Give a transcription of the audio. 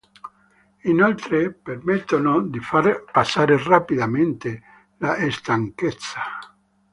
Inoltre permettono di far passare rapidamente la stanchezza.